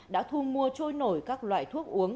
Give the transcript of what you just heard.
đã thu mua trôi nổi các loại thuốc uống